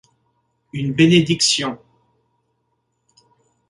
Une bénédiction...